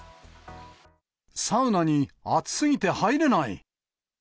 サウナに、熱すぎて入れない。